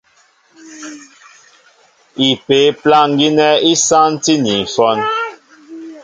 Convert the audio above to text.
Ipě' plâŋ gínɛ́ í sántí ni ǹshɔ́n.